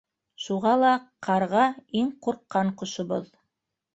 Шуға ла ҡарға иң ҡурҡҡан ҡошобоҙ.